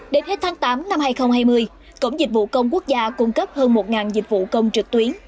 đến hết tháng tám năm hai nghìn hai mươi cổng dịch vụ công quốc gia cung cấp hơn một dịch vụ công trực tuyến